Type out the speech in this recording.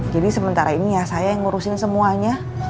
jadi sementara ini ya saya yang ngurusin semuanya